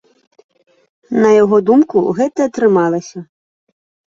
На яго думку, гэта атрымалася.